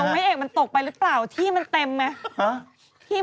เดี๋ยวไม้เอกมันตกไปหรือเปล่าที่มันเต็มไหม